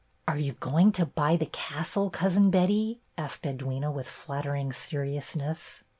"Are you going to buy the castle. Cousin Betty?" asked Edwyna, with flattering seri ousness.